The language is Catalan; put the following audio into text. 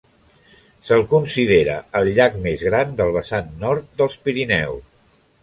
Se'l considera el llac més gran del vessant nord dels Pirineus.